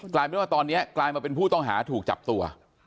กลายเป็นว่าตอนนี้กลายมาเป็นผู้ต้องหาถูกจับตัว